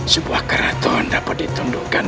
sebuah keraton dapat ditundukkan